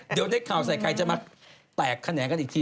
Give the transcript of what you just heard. เดี๋ยวได้ข่าวใส่ไข่จะมาแตกแขนงกันอีกที